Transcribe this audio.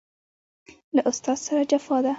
له استاد سره جفا ده